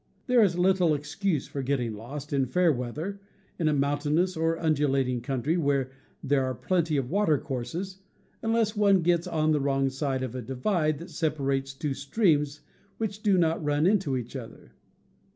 There is little excuse for getting lost, in fair weather, in a mountainous or undulating country where there ^ are plenty of watercourses, unless one ,. gets on the wrong side of a divide that JVioiinL9.iris separates two streams which do not run into each other.